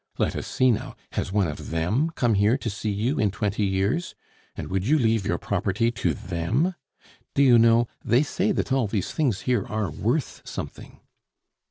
Let us see now, has one of them come here to see you in twenty years? And would you leave your property to them? Do you know, they say that all these things here are worth something."